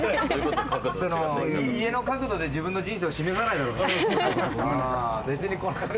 家の角度で自分の人生示さねえだろ。